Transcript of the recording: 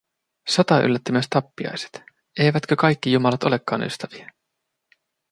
Sota yllätti myös tappiaiset - eivätkö kaikki jumalat olekaan ystäviä?